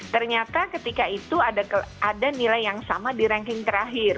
ternyata ketika itu ada nilai yang sama di ranking terakhir